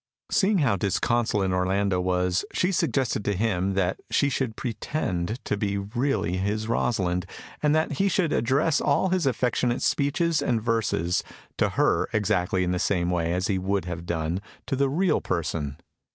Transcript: Seeing how disconsolate Orlando was, she suggested to him that she should pretend to be really his Rosalind, and that he should address all his affectionate speeches and verses to her exactly in the same way as he would have done to the real person.